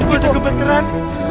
kau ada kebeneran